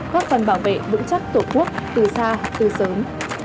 góp phần bảo vệ vững chắc tổ quốc từ xa từ sớm